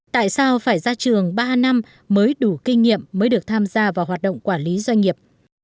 tại sao phải ra trường ba năm mới đủ kinh nghiệm mới được tham gia vào hoạt động quản lý doanh nghiệp